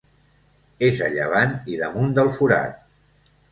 És a llevant i damunt del Forat.